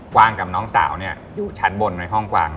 วางกับน้องสาวอยู่ชั้นบนในห้องกวาง